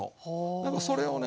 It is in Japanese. でもそれをね